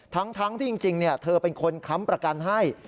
ทั้งที่จริงเธอเป็นคนค้ำประกันให้